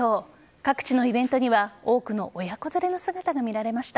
各地のイベントには多くの親子連れの姿が見られました。